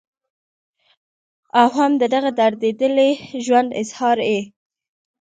او هم د دغه درديدلي ژوند اظهار ئې